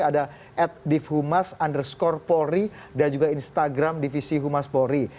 ada at div humas underscore polri dan juga instagram divisi humas polri